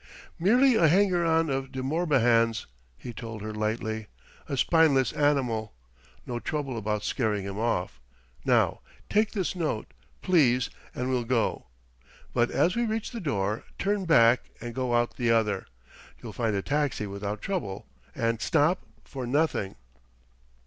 "Merely a hanger on of De Morbihan's," he told her lightly; "a spineless animal no trouble about scaring him off.... Now take this note, please, and we'll go. But as we reach the door, turn back and go out the other. You'll find a taxi without trouble. And stop for nothing!"